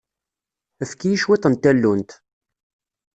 Efk-iyi cwiṭ n tallunt.